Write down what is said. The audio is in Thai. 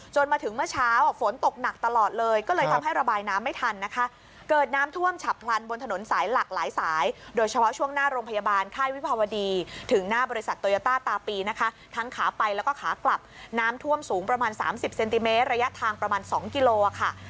จนมาถึงเมื่อเช้าฝนตกหนักตลอดเลยก็เลยทำให้ระบายน้ำไม่ทันนะคะ